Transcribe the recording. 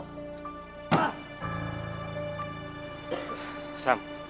sam gua ngertiin sam tapi lu harus sabar sam